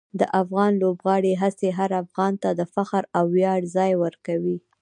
د افغان لوبغاړو هڅې هر افغان ته د فخر او ویاړ ځای ورکوي.